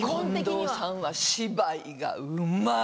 近藤さんは芝居がうまい！